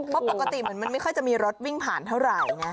เพราะปกติเหมือนมันไม่ค่อยจะมีรถวิ่งผ่านเท่าไหร่ไง